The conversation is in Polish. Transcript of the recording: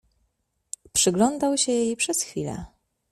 "Przyglądał się jej przez chwilę."